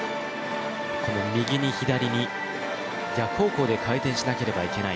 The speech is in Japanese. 右に左に逆方向で回転しなければいけない。